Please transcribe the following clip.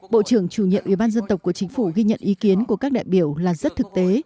bộ trưởng chủ nhiệm ủy ban dân tộc của chính phủ ghi nhận ý kiến của các đại biểu là rất thực tế